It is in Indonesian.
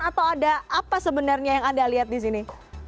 atau ada apa sebenarnya yang anda lihat di sini